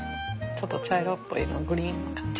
ちょっと茶色っぽい色グリーンな感じ。